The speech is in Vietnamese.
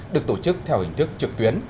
được tổ chức theo hình thức trực tuyến